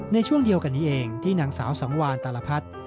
ในช่วงเดียวกันนี้เองที่นางสาวสังวานตาลพัฒน์